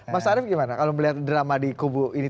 mas arief gimana kalau melihat drama di kubu ini